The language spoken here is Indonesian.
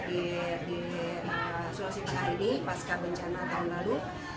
di sulawesi tengah ini pasca bencana tahun lalu